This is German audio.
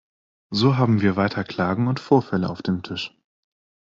So haben wir weiter Klagen und Vorfälle auf dem Tisch.